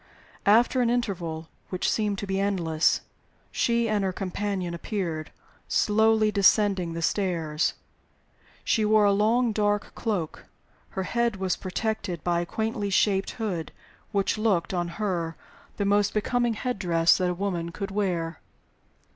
After an interval which seemed to be endless, she and her companion appeared, slowly descending the stairs. She wore a long dark cloak; her head was protected by a quaintly shaped hood, which looked (on her) the most becoming head dress that a woman could wear.